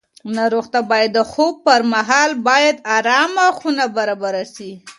ناروغ ته د خوب پر مهال باید ارامه خونه برابره شي.